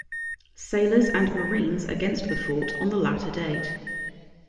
Sailors and Marines against the fort on the latter date.